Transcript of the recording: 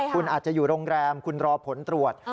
คุณอาจจะอยู่โรงแรมคุณรอผลตรวจ